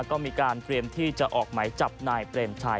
ก็มีการเตรียมที่จะออกหมายจับนายเปรมชัย